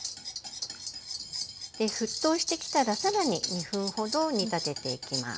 沸騰してきたら更に２分ほど煮立てていきます。